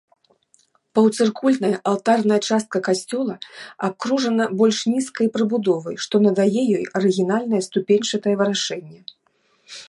Паўцыркульная алтарная частка касцёла абкружана больш нізкай прыбудовай, што надае ёй арыгінальнае ступеньчатае вырашэнне.